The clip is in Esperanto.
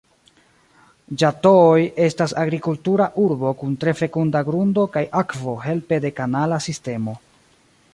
Ĝatoi estas agrikultura urbo kun tre fekunda grundo kaj akvo helpe de kanala sistemo.